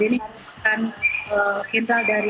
dia mengaksikan tindakan bunuh orang tersebut di jiran